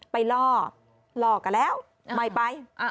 ล่อล่อกันแล้วไม่ไป